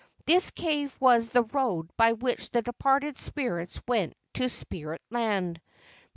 This cave was the road by which the departed spirits went to spirit land.